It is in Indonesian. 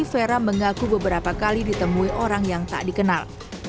vera mengaku beberapa kali ditemui orang yang tak dikenal